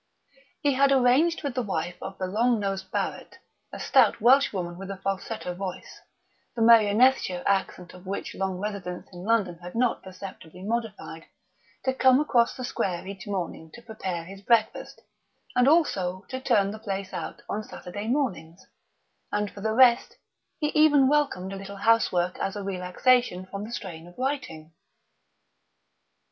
He had arranged with the wife of the long nosed Barrett, a stout Welsh woman with a falsetto voice, the Merionethshire accent of which long residence in London had not perceptibly modified, to come across the square each morning to prepare his breakfast, and also to "turn the place out" on Saturday mornings; and for the rest, he even welcomed a little housework as a relaxation from the strain of writing.